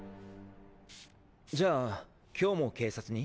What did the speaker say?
じゃあ今日も警察に？